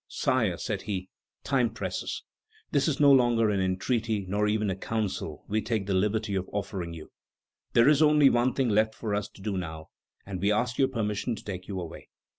"Sire," said he, "time presses; this is no longer an entreaty nor even a counsel we take the liberty of offering you; there is only one thing left for us to do now, and we ask your permission to take you away."